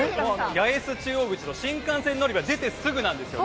八重洲中央口の新幹線乗り場出てすぐなんです。